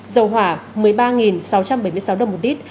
dầu hỏa một mươi ba sáu trăm bảy mươi sáu đồng một lít